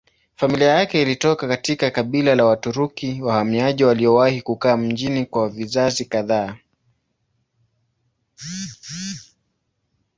Familia yake ilitoka katika kabila ya Waturuki wahamiaji waliowahi kukaa mjini kwa vizazi kadhaa.